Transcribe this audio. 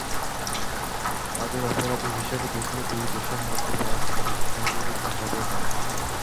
তাঁদের অপরাধী হিসেবে দেখলে দুই দেশের মধ্যে পারস্পরিক সহযোগিতা হবে না।